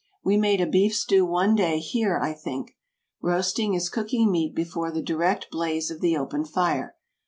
We made a beef stew one day, here, I think. Roasting is cooking meat before the direct blaze of the open fire.